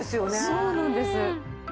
そうなんです。